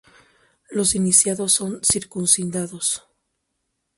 Los iniciados son circuncidados.